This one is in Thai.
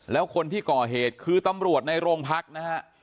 แล้วคนที่ก่อเหตุคือตำรวจในโรงพักนะฮะ